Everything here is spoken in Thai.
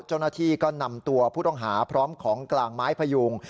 เจ้าหน้าที่ก็นำตัวผู้ต้องหาพร้อมของกลางไม้พยุง